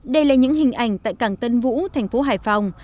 đây là những hình ảnh tại cảng tân vũ thành phố hải phòng